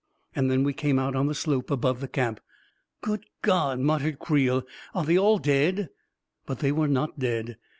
. And then we came out on the slope above the camp •••" Good God !" muttered Creel. " Are they all dead?" But they were not dead.